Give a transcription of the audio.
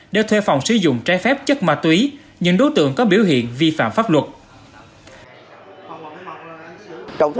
để thuê phòng sử dụng trái phép chất ma túy những đối tượng có biểu hiện vi phạm pháp luật